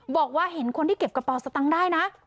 บอกว่าเห็นคนที่เก็บกระเป๋าสตังค์ได้นะ